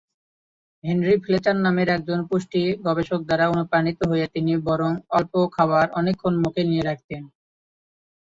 Henry Fletcher নামের একজন পুষ্টি গবেষক দ্বারা অনুপ্রাণিত হয়ে তিনি বরং অল্প খাবার অনেকক্ষণ মুখে দিয়ে রাখতেন।